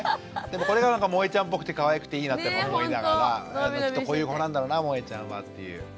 でもこれがもえちゃんっぽくてかわいくていいなって思いながらきっとこういう子なんだろうなもえちゃんはっていう。